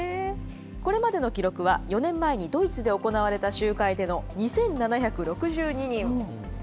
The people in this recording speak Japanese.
これまでの記録は、４年前にドイツで行われた集会での２７６２人。